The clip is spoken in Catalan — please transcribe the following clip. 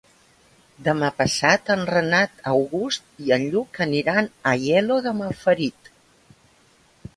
Demà passat en Renat August i en Lluc aniran a Aielo de Malferit.